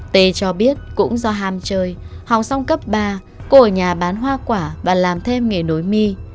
tê cho biết cũng do ham chơi hòng xong cấp ba cô ở nhà bán hoa quả và làm thêm nghề nối mi